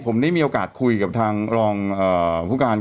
ผมได้มีโอกาสคุยกับทางรองผู้การ